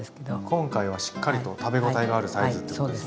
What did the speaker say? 今回はしっかりと食べ応えのあるサイズっていうことですね。